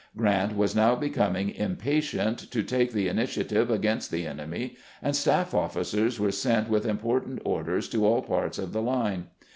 Grant was now becoming im patient to take the initiative against the enemy, and staff officers were sent with important orders to all parts of the Une.